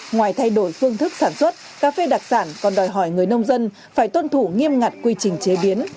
ngoài thay đổi phương thức sản xuất cà phê đặc sản còn đòi hỏi người nông dân phải tuân thủ nghiêm ngặt quy trình chế biến